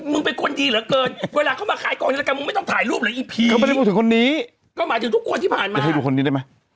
หนุ่มแหมมึงเป็นคนดีเหรอเกิน